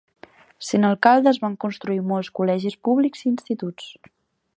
Sent alcalde es van construir molts col·legis públics i instituts.